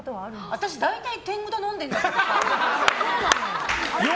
私、大体天狗と飲んでるんだけど。